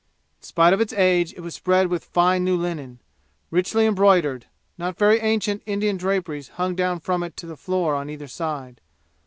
In spite of its age it was spread with fine new linen. Richly embroidered, not very ancient Indian draperies hung down from it to the floor on either side.